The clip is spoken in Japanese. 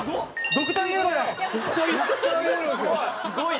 ドクターイエローですよ。